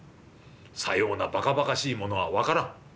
「さようなバカバカしいものは分からん